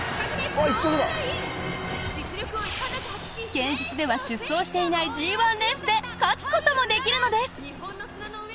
現実では出走していないＧ１レースで勝つこともできるのです！